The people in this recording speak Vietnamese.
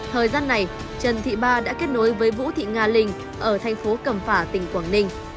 thời gian này trần thị ba đã kết nối với vũ thị nga linh ở thành phố cẩm phả tỉnh quảng ninh